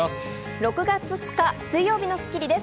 ６月２日、水曜日の『スッキリ』です。